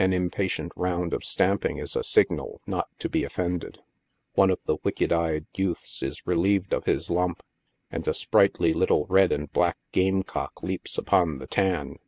An impatient round of stamping is a signal not to be offended ; one of the wicked eyed youths is relieved of his hump, and a sprightly little red and black game cock leaps upon the tan.